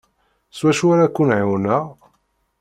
S wacu ara kent-ɛiwneɣ?